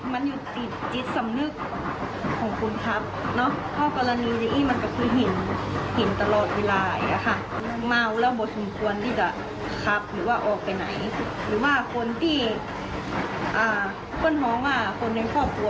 มันอยู่ติดจิตสำนึกของคุณครับเนาะ